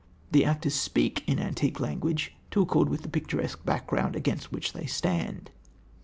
The actors speak in antique language to accord with the picturesque background against which they stand.